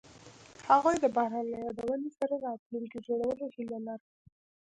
هغوی د باران له یادونو سره راتلونکی جوړولو هیله لرله.